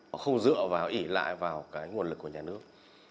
họ không dựa và ủy lại vào nguồn lực của nhà nước